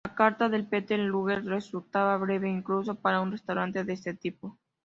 La carta del Peter Luger resulta breve, incluso para un restaurante de este tipo.